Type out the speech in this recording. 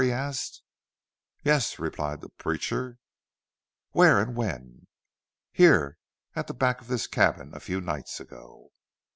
he asked. "Yes," replied the preacher. "Where and when?" "Here at the back of this cabin a few nights ago."